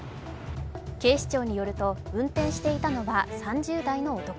警視庁によると、運転していたのは、３０代の男。